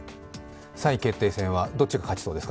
３位決定戦はどっちが勝ちそうですか？